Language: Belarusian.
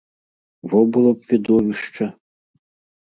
Во было б відовішча!